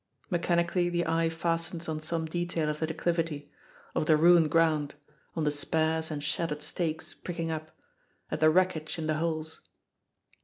Mechanically the eye fastens on some detail of the declivity, of the ruined ground, on the sparse and shattered stakes pricking up, at the wreckage in the holes.